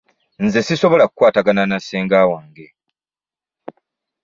Nze sisobola kukwatagana na senga wange.